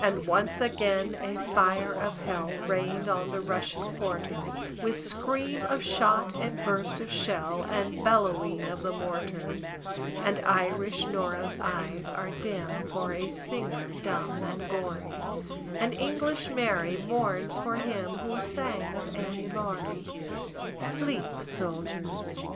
And once again a fire of hell Rained on the Russian quarters, With scream of shot, and burst of shell, And bellowing of the mortars! And Irish Nora's eyes are dim For a singer, dumb and gory; And English Mary mourns for him Who sang of "Annie Laurie." Sleep, soldiers!